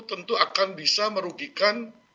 tentu akan bisa merugikan